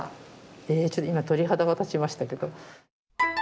えちょっと今鳥肌が立ちましたけど。